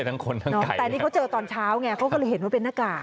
ทั้งคนทั้งน้องแต่อันนี้เขาเจอตอนเช้าไงเขาก็เลยเห็นว่าเป็นหน้ากาก